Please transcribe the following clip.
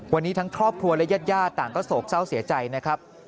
วันนี้ทั้งครอบครัวและญาติญาติต่างก็โศกเศร้าเสียใจนะครับ